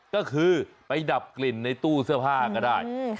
ก็คือไปดับกลิ่นในตู้เสื้อผ้าก็ได้